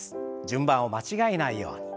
順番を間違えないように。